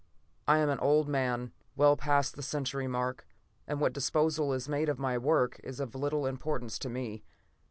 I am an old man, well past the century mark, and what disposal is made of my work is of little importance to me.